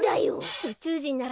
うちゅうじんならよ